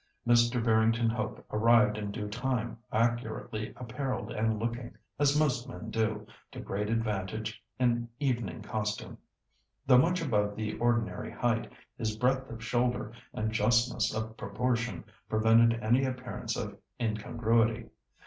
Mr. Barrington Hope arrived in due time, accurately apparelled and looking—as most men do—to great advantage in evening costume. Though much above the ordinary height, his breadth of shoulder and justness of proportion prevented any appearance of incongruity.